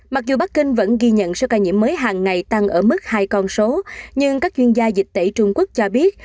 mặc dù bắc kinh vẫn ghi nhận số ca nhiễm mới hàng ngày tăng ở mức hai con số nhưng các chuyên gia dịch tễ trung quốc cho biết